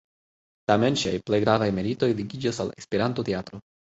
Tamen ŝiaj plej gravaj meritoj ligiĝas al Esperanto-teatro.